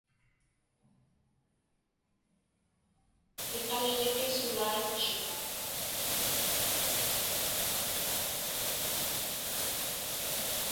Iqalliqisulaitchuŋa.